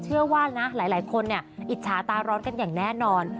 เชื่อว่านะหลายคนอิจฉาตาร้อนกันอย่างแน่นอน